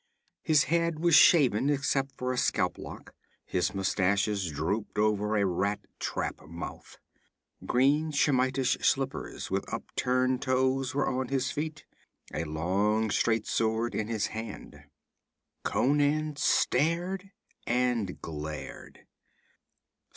His head was shaven except for a scalp lock, his mustaches dropped over a rat trap mouth. Green Shemitish slippers with upturned toes were on his feet, a long straight sword in his hand. Conan stared and glared.